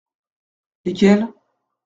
Lesquels ?